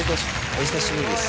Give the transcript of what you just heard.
お久しぶりです。